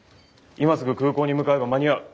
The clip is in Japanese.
今すぐ空港に向かえば間に合う。